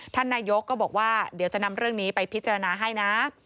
ท่านนายกก็บอกว่าเดี๋ยวจะนำเรื่องนี้ไปพิจารณาให้นะ